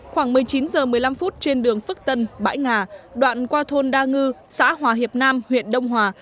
khoảng một mươi chín h một mươi năm phút trên đường phước tân bãi ngà đoạn qua thôn đa ngư xã hòa hiệp nam huyện đông hòa